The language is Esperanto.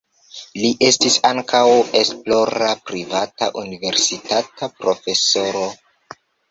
Li estis ankaŭ esplora privata universitata profesoro.